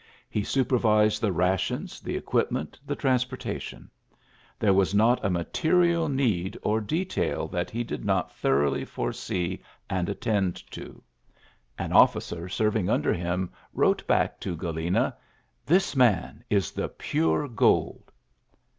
He supervised the rations, the equipment, the transportation. There was not a material need or detail that he did not thoroughly foresee and attend to. An ULYSSES S. GEANT 43 officer serving nnder him wrote back to QdleBSk, "This man is the pure gold.''